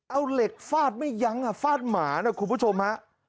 เอาเหล็กฟาดไม่ยั้งฟาดหมานะคุณผู้ชมฮะ